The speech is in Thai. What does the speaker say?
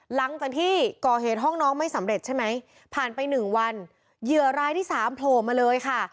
หลังจากที่ก่อเหตุห้องน้องไม่สำเร็จใช่ไหมผ่านไปหนึ่งวันเหยื่อรายที่สามโผล่มาเลยค่ะ